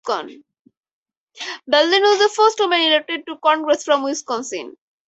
Baldwin was the first woman elected to Congress from Wisconsin.